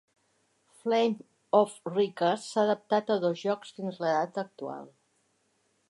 "Flame of Recca" s"ha adaptat a dos jocs fins la data actual.